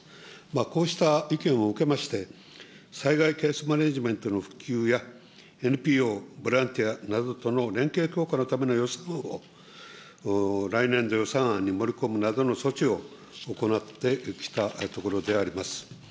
こうした意見を受けまして、災害ケースマネジメントの復旧や、ＮＰＯ、ボランティアなどとの連携強化のためのを来年度予算案に盛り込むなどの措置を行ってきたところであります。